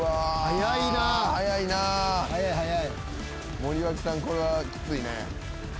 森脇さんこれはきついね。